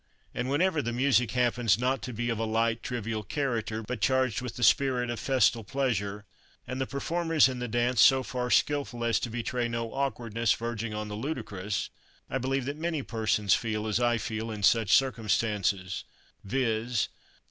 And whenever the music happens not to be of a light, trivial character, but charged with the spirit of festal pleasure, and the performers in the dance so far skilful as to betray no awkwardness verging on the ludicrous, I believe that many persons feel as I feel in such circumstances, viz.